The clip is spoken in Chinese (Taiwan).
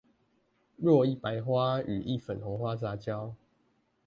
若一白花與一粉紅花雜交